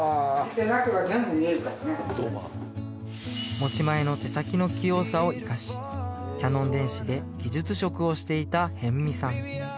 持ち前の手先の器用さを活かしキヤノン電子で技術職をしていた逸見さん